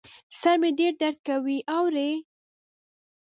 سر مي ډېر درد کوي ، اورې ؟